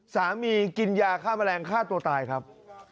กินยาฆ่าแมลงฆ่าตัวตายครับ